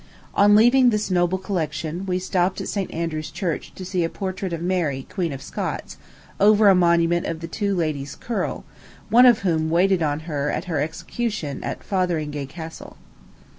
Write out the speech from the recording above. On leaving this noble collection, we stopped at St. Andrew's Church to see a portrait of Mary, Queen of Scots, over a monument to the two Ladies Curl, one of whom waited on her at her execution at Fotheringay Castle.